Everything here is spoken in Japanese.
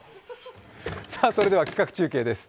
それでは、企画中継です。